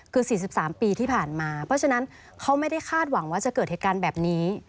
คือ๔๓ปีที่ผ่านมาเพราะฉะนั้นเขาไม่ได้คาดหวังว่าจะเกิดเหตุการณ์แบบนี้